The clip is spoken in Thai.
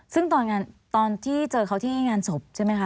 ซึ่งตอนที่เจอเขาที่งานศพใช่ไหมคะ